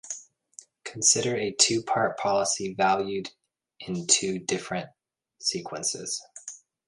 Consider a two-part policy valued in two different sequences.